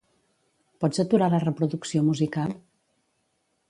Pots aturar la reproducció musical?